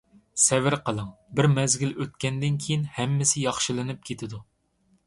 سەۋر قىلىڭ. بىر مەزگىل ئۆتكەندىن كېيىن ھەممىسى ياخشىلىنىپ كېتىدۇ.